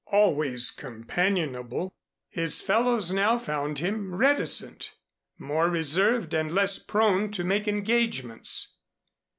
Always companionable, his fellows now found him reticent, more reserved and less prone to make engagements.